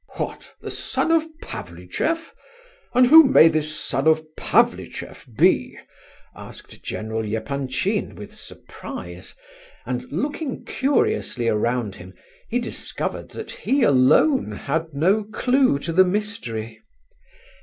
"What, the son of Pavlicheff? And who may this son of Pavlicheff be?" asked General Epanchin with surprise; and looking curiously around him, he discovered that he alone had no clue to the mystery.